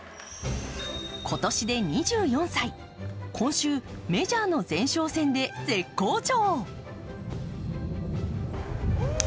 今年で２４歳、今週メジャーの前哨戦で絶好調。